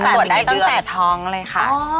ใช่ค่ะตรวจได้ตั้งแต่ท้องเลยค่ะ